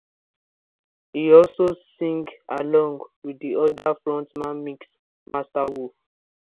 He also sings along with the other front man Mix Master Wolf.